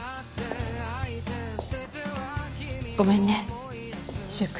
ごめんね柊君。